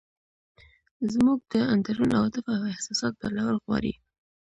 زموږ د اندرون عواطف او احساسات بدلول غواړي.